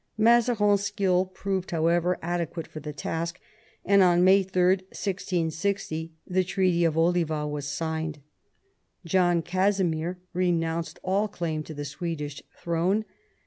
Mazarin's skill proved, how ever, adequate for the task, and on May 3, 1660, the Treaty of Oliva was signed. John Casimir renounced all claim to the Swedish throne.